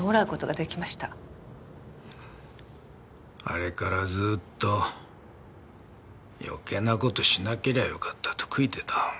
あれからずーっと余計な事しなけりゃよかったと悔いてた。